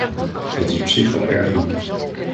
Dat is op zich al erg genoeg.